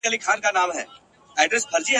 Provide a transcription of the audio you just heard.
د څو شېبو بیداري او هوښیاري ده ..